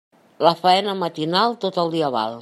La faena matinal, tot el dia val.